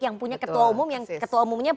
yang punya ketua umumnya